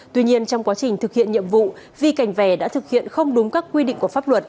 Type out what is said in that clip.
tuy nhiên trong quá trình thực hiện nhiệm vụ vi cảnh về đã thực hiện không đúng các quy định của pháp luật